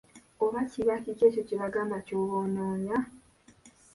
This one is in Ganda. Oba kiba kiki ekyo kyebagamba ky'oba onoonya?